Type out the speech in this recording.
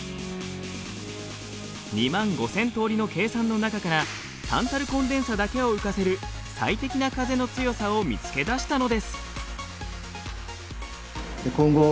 ２万５，０００通りの計算の中からタンタルコンデンサだけを浮かせる最適な風の強さを見つけ出したのです。